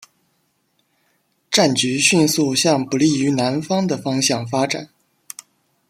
战局迅速向不利于南方的方向发展。